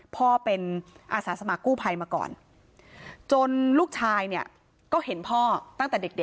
พ่อเป็นอาสาสมัครกู้ภัยมาก่อนจนลูกชายเนี่ยก็เห็นพ่อตั้งแต่เด็ก